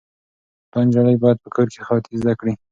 دا نجلۍ باید په کور کې خیاطي زده کړي.